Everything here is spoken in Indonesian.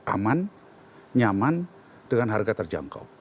aman nyaman dengan harga terjangkau